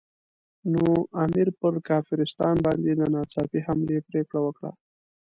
نو امیر پر کافرستان باندې د ناڅاپي حملې پرېکړه وکړه.